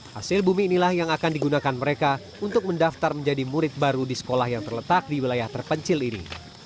hasil bumi inilah yang akan digunakan mereka untuk mendaftar menjadi murid baru di sekolah yang terletak di wilayah terpencil ini